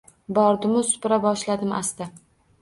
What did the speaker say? Bordimu supura boshladim asta…